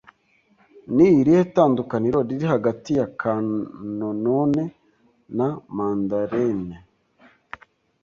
Ni irihe tandukaniro riri hagati ya Kantonone na Mandarin?